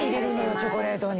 チョコレートに。